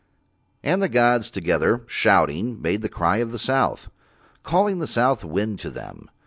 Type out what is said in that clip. And the gods together shouting made the cry of the south, calling the south wind to them.